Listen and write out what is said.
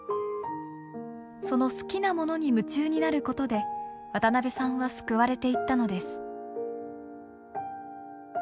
その好きなものに夢中になることで渡さんは救われていったのです。